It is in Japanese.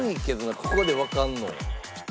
ここでわかるの。